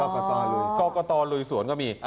ก็กะตอลุยสวนก็มี